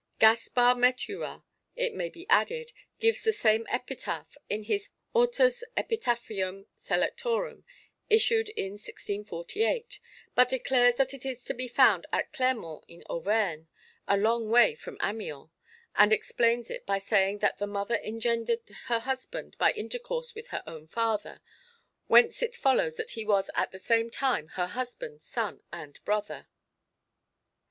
Gaspard Meturas, it may be added, gives the same epitaph in his Hortus Epitaphiomm Selectorum, issued in 1648, but declares that it is to be found at Clermont in Auvergne a long way from Amiens and explains it by saying that the mother engendered her husband by intercourse with her own father; whence it follows that he was at the same time her husband, son and brother.